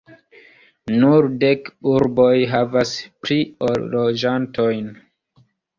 Nur dek urboj havas pli ol loĝantojn.